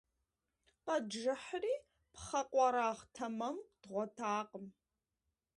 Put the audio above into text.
Къэджыхьри, пхъэ къуэрагъ тэмэм дгъуэтакъым.